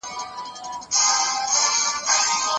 د مېوو تازه والی ډېر مهم دی.